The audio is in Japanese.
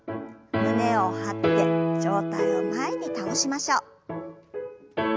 胸を張って上体を前に倒しましょう。